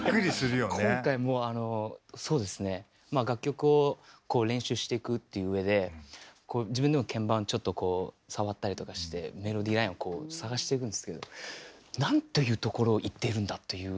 今回もあのそうですねまあ楽曲をこう練習してくっていううえで自分でも鍵盤ちょっとこう触ったりとかしてメロディーラインをこう探していくんですけど何というところをいってるんだという。